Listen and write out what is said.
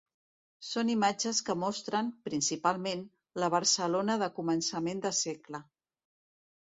Són imatges que mostren, principalment, la Barcelona de començament de segle.